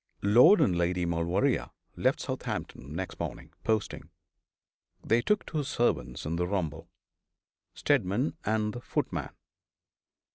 Lord and Lady Maulevrier left Southampton next morning, posting. They took two servants in the rumble, Steadman and the footman.